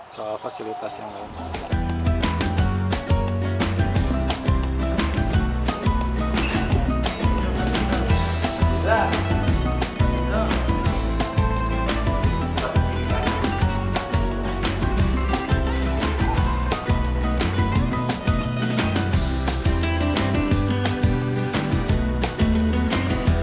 soal fasilitas yang lainnya